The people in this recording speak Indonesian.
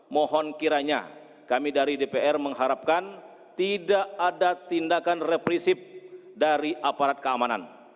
mohon kiranya kami dari dpr mengharapkan tidak ada tindakan reprisip dari aparat keamanan